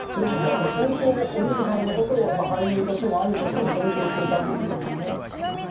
やっぱり、相当お兄さんのことを俳優としても兄としても尊敬していたということですね。